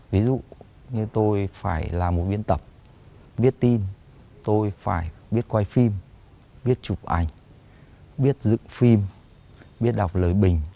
ví dụ như tôi phải là một biên tập viết tin tôi phải biết quay phim biết chụp ảnh biết dựng phim biết đọc lời bình